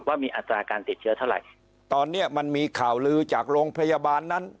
ว่ามีอัตราการติดเชื้อเท่าไหร่ตอนนี้มันมีข่าวลือจากโรงพยาบาลนั้น